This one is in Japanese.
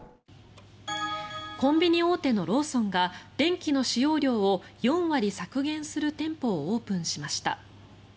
コンビニ大手のローソンが電気の使用量を４割削減する店舗をオープンしました。